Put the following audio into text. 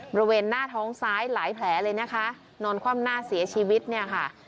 บริเวณหน้าท้องซ้ายหลายแผลเลยนะคะนอนคว่ำหน้าเสียชีวิตเนี่ยค่ะ